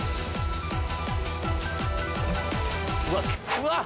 うわっ！